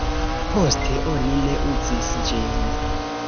Poste oni ne uzis ĝin.